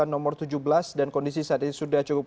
nomor tujuh belas dan kondisi saat ini sudah cukup